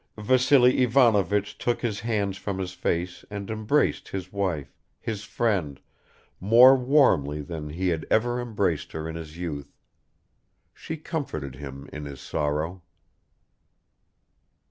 Vassily Ivanovich took his hands from his face and embraced his wife, his friend, more warmly than he had ever embraced her in his youth; she comforted him in his sorrow.